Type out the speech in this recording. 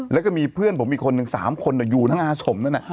แล้วก็มีเพื่อนผมอีกคนนึง๓คนอยู่ทั้งอาสมนั่น